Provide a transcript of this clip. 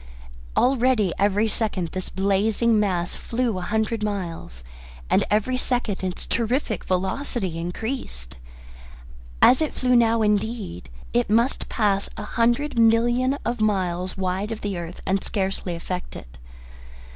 Already every second this blazing mass flew a hundred miles, and every second its terrific velocity increased. As it flew now, indeed, it must pass a hundred million of miles, wide of the earth and scarcely affect it.